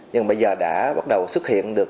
nhưng bây giờ đã bắt đầu xuất hiện được